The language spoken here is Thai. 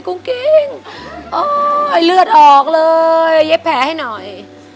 กุ้งกิ้งโอ๊ยเลือดออกเลยเย็บแผลให้หน่อย